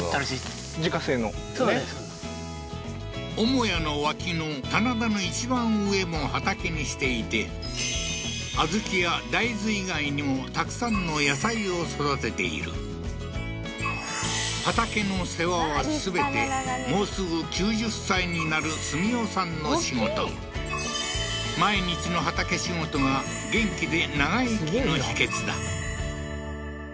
母屋の脇の棚田の一番上も畑にしていて小豆や大豆以外にもたくさんの野菜を育てている畑の世話は全てもうすぐ９０歳になる澄夫さんの仕事毎日の畑仕事が元気で長生きの秘訣だ